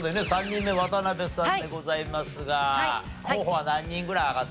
３人目渡辺さんでございますが候補は何人ぐらい挙がってる？